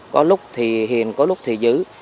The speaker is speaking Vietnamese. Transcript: có lúc thì hiền có lúc thì dữ